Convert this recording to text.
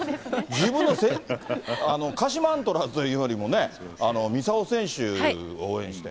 自分の鹿島アントラーズというよりも、三竿選手を応援して。